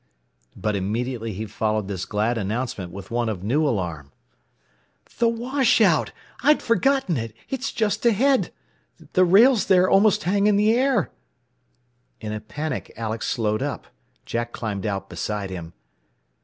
But immediately he followed this glad announcement with one of new alarm. "The washout! I'd forgotten it! It's just ahead! The rails there almost hang in the air!" In a panic Alex slowed up. Jack climbed out beside him.